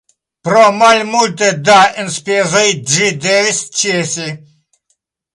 Pro malmulte da enspezoj ĝi devis ĉesi.